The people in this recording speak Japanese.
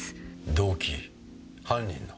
動機犯人の？